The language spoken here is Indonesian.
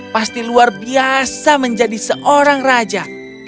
pasti luar biasa menjadi seorang raja